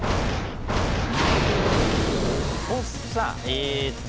えーっと。